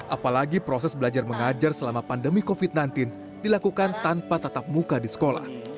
apalagi proses belajar mengajar selama pandemi covid sembilan belas dilakukan tanpa tatap muka di sekolah